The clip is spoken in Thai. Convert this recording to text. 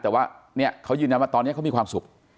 แต่ว่าเนี่ยเขายืนยันว่าตอนนี้เขามีความสุข